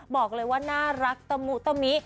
บอกเลยว่าน่ารักตะมุตะมิ